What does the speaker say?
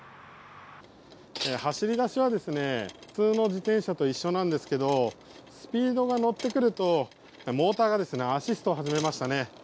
走り出しは普通の自転車と一緒なんですがスピードがのってくると、モーターがアシストを始めましたね。